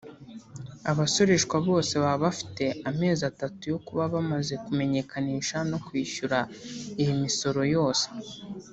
Abasoreshwa bose baba bafite amezi atatu yo kuba bamaze kumenyekanisha no kwishyura iyi misoro yose